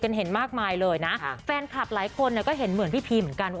กันเห็นมากมายเลยนะแฟนคับหลายคนก็เห็นเหมือนพี่พีเหมือนกัน